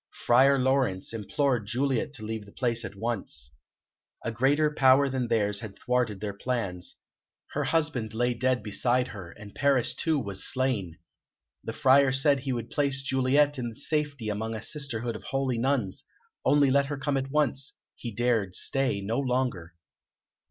Friar Laurence implored Juliet to leave the place at once. A greater power than theirs had thwarted their plans; her husband lay dead beside her, and Paris, too, was slain. The Friar said he would place Juliet in safety among a sisterhood of holy nuns, only let her come at once; he dared stay no longer.